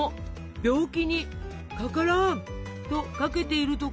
病気に「かからん！」とかけているとか。